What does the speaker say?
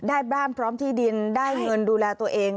บ้านพร้อมที่ดินได้เงินดูแลตัวเอง